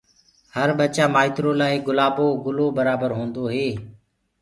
هر ٻچآ ٻآئترو لآ ايڪ گُلآبو گُلو برآبر هوندوئي